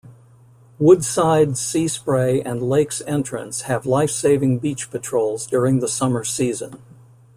Woodside, Seaspray and Lakes Entrance have life saving beach patrols during the summer season.